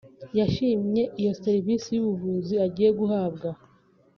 yashimye iyo serivisi y’ubuvuzi agiye guhabwa